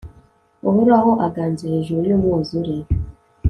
uhoraho aganje hejuru y'umwuzure